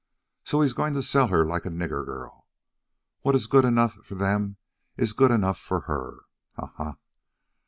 So he is going to sell her like a nigger girl. What is good enough for them is good enough for her. Ha! ha!